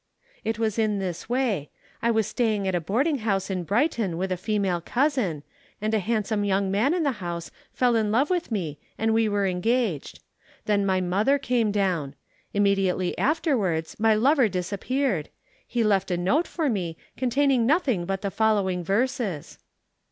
"It was in this way. I was staying at a boarding house in Brighton with a female cousin, and a handsome young man in the house fell in love with me and we were engaged. Then my mother came down. Immediately afterwards my lover disappeared. He left a note for me containing nothing but the following verses."